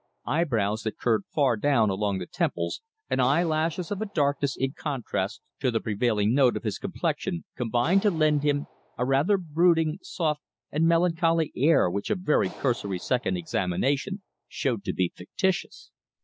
Eyebrows that curved far down along the temples, and eyelashes of a darkness in contrast to the prevailing note of his complexion combined to lend him a rather brooding, soft, and melancholy air which a very cursory second examination showed to be fictitious.